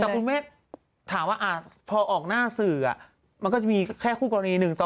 แต่คุณเมฆถามว่าพอออกหน้าสื่อมันก็จะมีแค่คู่กรณีหนึ่งต่อ